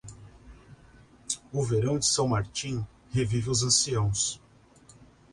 O verão de San Martín revive os anciãos.